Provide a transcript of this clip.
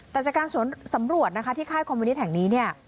แต่จากการสำรวจที่ค่ายคอมเวนิสแห่งนี้